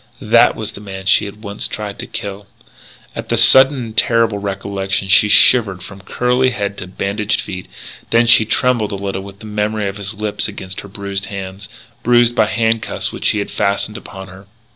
That was the man she had once tried to kill! At the sudden and terrible recollection she shivered from curly head to bandaged feet. Then she trembled a little with the memory of his lips against her bruised hands bruised by handcuffs which he had fastened upon her.